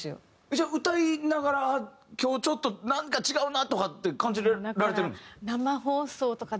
じゃあ歌いながら今日ちょっとなんか違うなとかって感じられてるんですか？